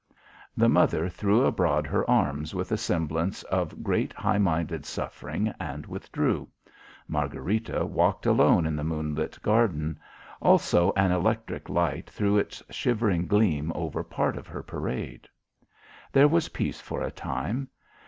The mother threw abroad her arms with a semblance of great high minded suffering and withdrew. Margharita walked alone in the moonlit garden. Also an electric light threw its shivering gleam over part of her parade. There was peace for a time.